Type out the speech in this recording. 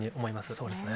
そうですね。